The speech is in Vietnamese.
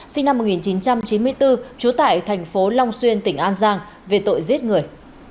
sinh năm một nghìn chín trăm chín mươi bốn trú tại thành phố long xuyên tỉnh an giang về tội giết người